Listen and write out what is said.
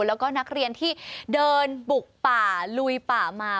แล้วก็นักเรียนที่เดินบุกป่าลุยป่ามา